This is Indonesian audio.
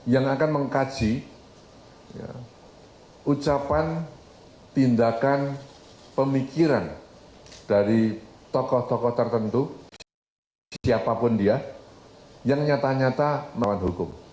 yang akan mengkaji ucapan tindakan pemikiran dari tokoh tokoh tertentu siapapun dia yang nyata nyata melawan hukum